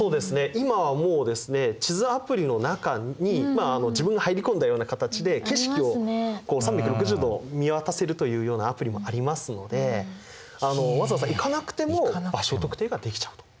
今はもうですね地図アプリの中に自分が入り込んだような形で景色を３６０度見渡せるというようなアプリもありますのでわざわざ行かなくても場所特定ができちゃうということになります。